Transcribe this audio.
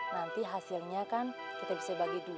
nanti hasilnya kan kita bisa bagi dulu